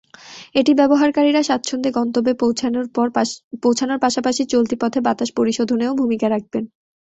এটি ব্যবহারকারীরা স্বাচ্ছন্দ্যে গন্তব্যে পৌঁছানোর পাশাপাশি চলতি পথে বাতাস পরিশোধনেও ভূমিকা রাখবেন।